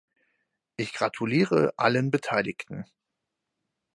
Ich gratuliere allen Beteiligten.